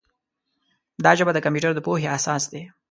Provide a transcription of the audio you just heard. دا ژبه د کمپیوټر د پوهې اساس دی.